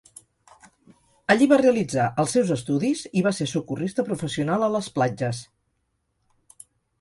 Allí va realitzar els seus estudis i va ser socorrista professional a les platges.